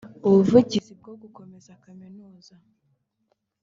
ubuvugizi bwo gukomeza Kaminuza